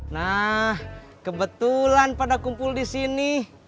nah kebetulan pada kumpul di sini